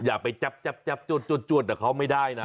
อย่าไปจับจวดแต่เขาไม่ได้นะ